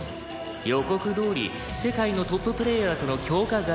「予告どおり世界のトッププレーヤーとの強化合宿だ」